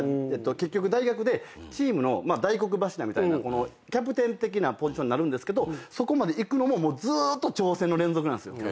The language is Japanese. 結局大学でチームの大黒柱みたいなキャプテン的なポジションになるんですけどそこまでいくのもずーっと挑戦の連続なんすよ。